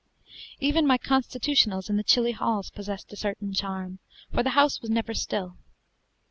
Even my constitutionals in the chilly halls possessed a certain charm, for the house was never still.